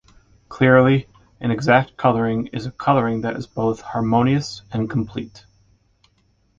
Clearly, an exact coloring is a coloring that is both harmonious and complete.